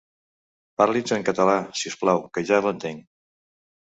Parli'ns en català, si us plau, que ja l'entenc.